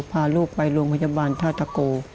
พาลูกไปรวมพยาบาลธาตุกรู